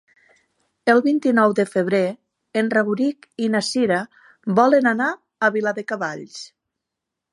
El vint-i-nou de febrer en Rauric i na Cira volen anar a Viladecavalls.